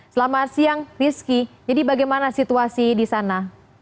selamat siang rizky jadi bagaimana situasi di sana